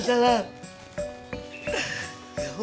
ya allah ya tuhan